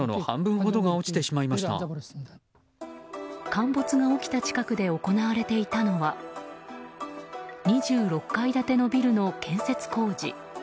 陥没が起きた近くで行われていたのは２６階建てのビルの建設工事。